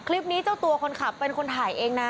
เจ้าตัวคนขับเป็นคนถ่ายเองนะ